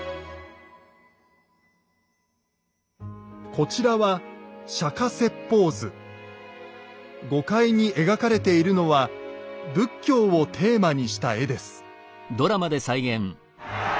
こちらは５階に描かれているのは仏教をテーマにした絵です。